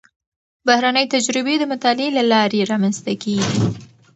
بهرنۍ تجربې د مطالعې له لارې رامنځته کېږي.